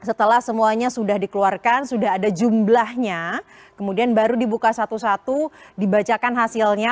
setelah semuanya sudah dikeluarkan sudah ada jumlahnya kemudian baru dibuka satu satu dibacakan hasilnya